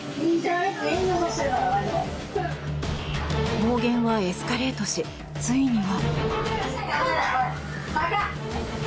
暴言はエスカレートしついには。